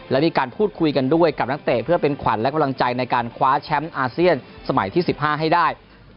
และมีการพูดคุยกันด้วยกับนักเตะเพื่อเป็นขวัญและกำลังใจในการคว้าแชมป์อาเซียนสมัยที่๑๕ให้ได้